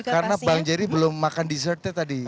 karena bang jerry belum makan dessertnya tadi